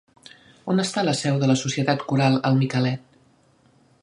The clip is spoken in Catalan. On està la seu de la Societat Coral el Micalet?